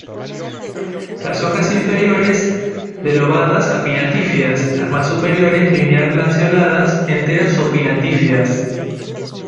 Las hojas inferiores de lobadas a pinnatífidas; las más superiores linear-lanceoladas, enteras o pinnatífidas.